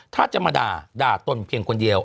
ถ้าจะมาด่าด่าตนเพียงคนเดียว